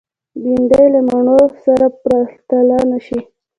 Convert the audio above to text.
بېنډۍ له مڼو سره پرتله نشي